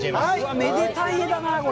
めでたい画だな、これ。